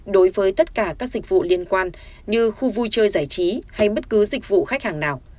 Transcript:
đối với tất cả các dịch vụ liên quan như khu vui chơi giải trí hay bất cứ dịch vụ khách hàng nào